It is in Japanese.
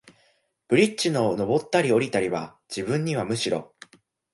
ブリッジの上ったり降りたりは、自分にはむしろ、